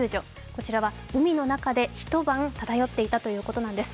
こちらは海の中で一晩、漂っていたということです。